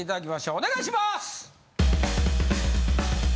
お願いします！